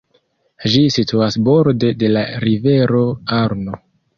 Ĝi situas borde de la rivero Arno.